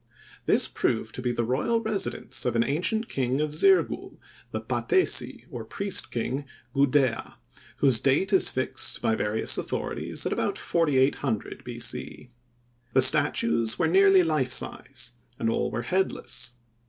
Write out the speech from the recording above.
This proved to be the royal residence of an ancient king of Zirgul, the patesi, or priest king Gudea, whose date is fixed by various authorities at about 4800 B. C. The statues were nearly life size, and all were headless.